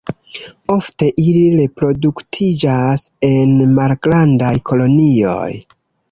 Ofte ili reproduktiĝas en malgrandaj kolonioj.